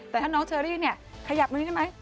แต่ถ้าน้องเชอรี่เนี่ยขยับตรงนี้ได้ไหม